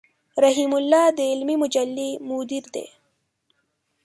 رحيم الله د علمي مجلې مدير دی.